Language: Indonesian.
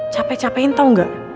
capek capek tau gak